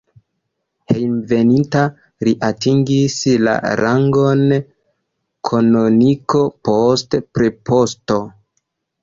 Hejmenveninta li atingis la rangon kanoniko, poste preposto.